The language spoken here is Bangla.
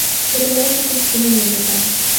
ছোটবেলায় তাকে স্কুলে নিয়ে যেতাম।